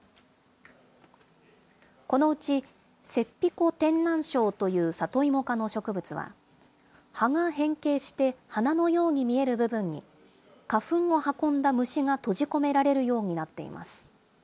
このうち、セッピコテンナンショウというサトイモ科の植物は、葉が変形して花のように見える部分に花粉を運んだ虫が閉じ込められるようになっています。